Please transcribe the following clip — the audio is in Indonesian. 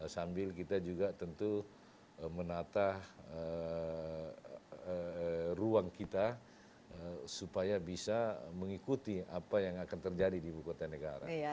sambil kita juga tentu menata ruang kita supaya bisa mengikuti apa yang akan terjadi di ibu kota negara